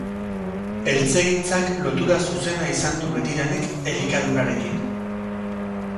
Eltzegintzak lotura zuzena izan du betidanik elikadurarekin